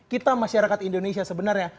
kita masyarakat indonesia sebenarnya